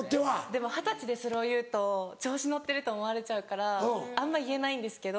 でも二十歳でそれを言うと調子乗ってると思われちゃうからあんま言えないんですけど。